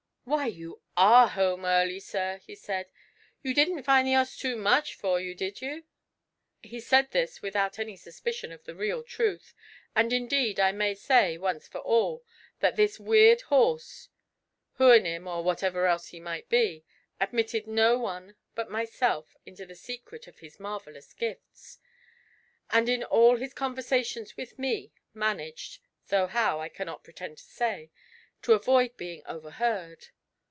'Why, you are home early, sir,' he said. 'You didn't find the 'orse too much for you, did you?' He said this without any suspicion of the real truth; and, indeed, I may say, once for all, that this weird horse Houyhnhnm, or whatever else he might be admitted no one but myself into the secret of his marvellous gifts, and in all his conversations with me, managed (though how, I cannot pretend to say) to avoid being overheard.